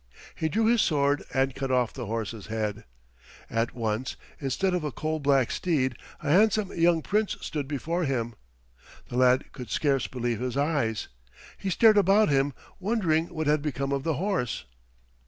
He drew his sword and cut off the horse's head. At once, instead of a coal black steed, a handsome young Prince stood before him. The lad could scarce believe his eyes. He stared about him, wondering what had become of the horse.